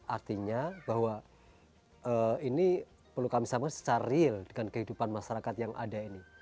artinya bahwa ini perlu kami sampaikan secara real dengan kehidupan masyarakat yang ada ini